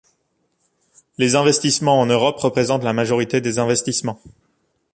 Les investissements en Europe représentent la majorité des investissements.